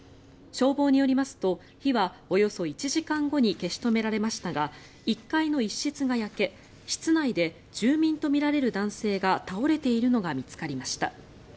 消防によりますと火はおよそ１時間後に消し止められましたが１階の一室が焼け室内で住民とみられる男性が倒れているのが見つかりました。